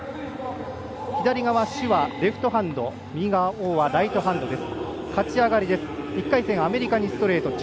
左側の朱はレフトハンド右側、王はライトハンドです。